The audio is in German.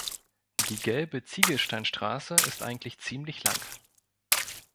Die gelbe Ziegelsteinstraße ist eigentlich ziemlich lang.